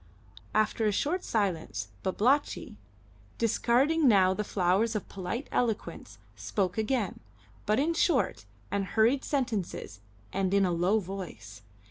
After a short silence, Babalatchi, discarding now the flowers of polite eloquence, spoke again, but in short and hurried sentences and in a low voice.